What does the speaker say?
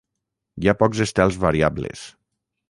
Hi ha pocs estels variables.